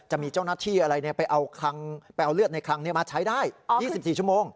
จะมีเจ้าหน้าที่อะไรไปเอาเลือดในคลังมาใช้ได้๒๔ชั่วโมง